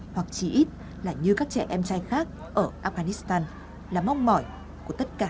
hoặc chỉ ít là như các trẻ em trai khác ở afghanistan là mong mỏi của tất cả